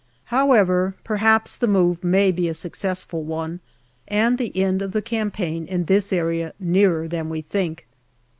However, perhaps the move may be a successful one, and the end of the campaign in this area nearer than we think.